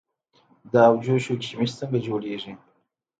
د ابجوش کشمش څنګه جوړیږي؟